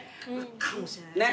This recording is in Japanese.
かもしれないですね。